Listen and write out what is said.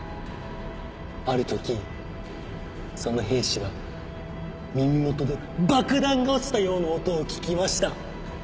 あるときその兵士は耳元で爆弾が落ちたような音を聞きました。